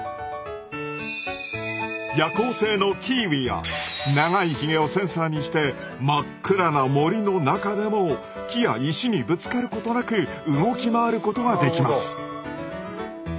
夜行性のキーウィは長いひげをセンサーにして真っ暗な森の中でも木や石にぶつかることなく動き回ることができます。